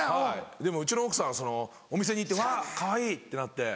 でもうちの奥さんはお店に行って「わぁかわいい」ってなって。